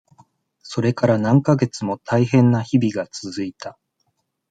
それから何ヶ月もたいへんな日々が続いた。